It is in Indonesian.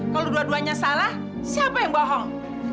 kalau dua duanya salah siapa yang bohong